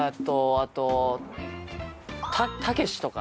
あと「たけし」とか。